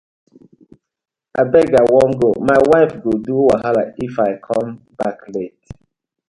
Abeg I wan go, my wife go do wahala If com back late.